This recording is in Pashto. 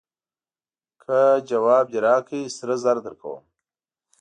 که ځواب دې راکړ سره زر درکوم.